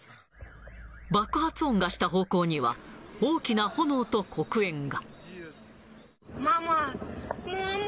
爆発音がした方向には、大きな炎と黒煙が。